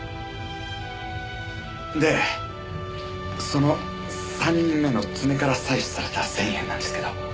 でその３人目の爪から採取された繊維片なんですけど。